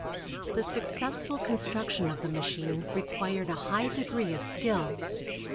The successful construction of the machine required a high degree of skill.